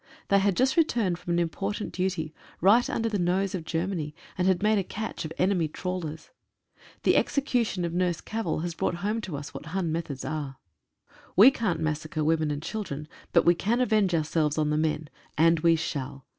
They had just returned from an important duty, right under the nose of Germany, and had made a catch of enemy trawlers. The execution of Nurse Cavell has brought home to us what Hun methods are. 137 RETURN TO DUTY. We can't massacre women and children, but we can avenge ourselves on the men — and we shall.